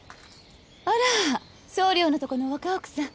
あら総領のとこの若奥さん。